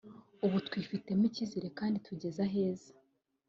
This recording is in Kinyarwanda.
ubu twifitemo icyizere kandi tugeze aheza